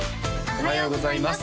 おはようございます